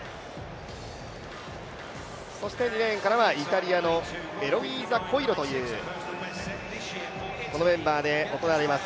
そして２レーンからはイタリアのエロイーザ・コイロというこのメンバーで行われます。